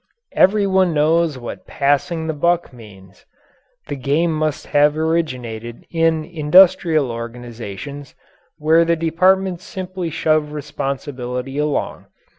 Everyone knows what "passing the buck" means. The game must have originated in industrial organizations where the departments simply shove responsibility along.